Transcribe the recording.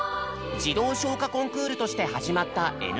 児童唱歌コンクールとして始まった「Ｎコン」。